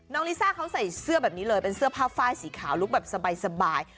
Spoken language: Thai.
น้องลิซ่าใส่เสื้อเผ้าฝ้ายสีขาวแบบสบาย